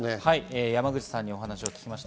山口さんにお話を聞きました。